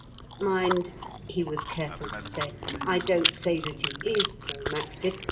*' Mind," he was careful to say, " I don't say that he is Paul Maxted.